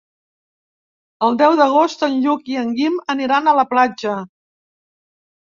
El deu d'agost en Lluc i en Guim aniran a la platja.